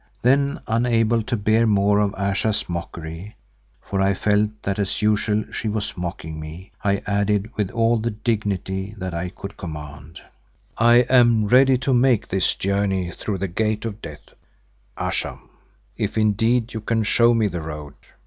Then, unable to bear more of Ayesha's mockery, for I felt that as usual she was mocking me, I added with all the dignity that I could command, "I am ready to make this journey through the gate of Death, Ayesha, if indeed you can show me the road.